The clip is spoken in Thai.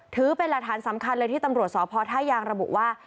ถือเป็นราธารสำคัญเลยที่ตำรวจสอบพ่อไทยยางระบุว่า